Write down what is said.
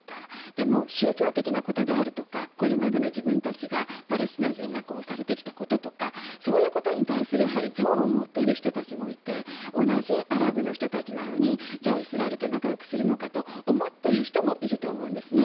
でも宗教的なことであるとかこれまでの自分たちがパレスチナ人がされてきたこととかそういうことに対する憎悪を持っている人たちもいて同じアラブの人たちなのにイスラエルと仲良くするのかと思っている人もいると思うんですね。